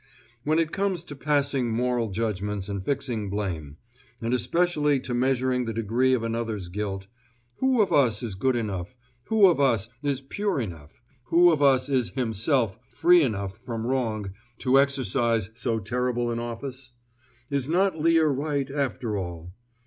When it comes to passing moral judgments and fixing blame, and especially to measuring the degree of another's guilt, who of us is good enough, who of us is pure enough, who of us is himself free enough from wrong to exercise so terrible an office? Is not Lear right, after all